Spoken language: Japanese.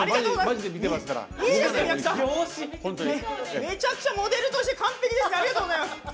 めちゃくちゃモデルとして完璧です。